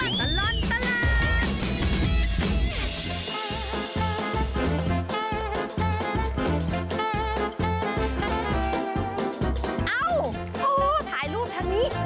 โอ้โหถ่ายรูปทางนี้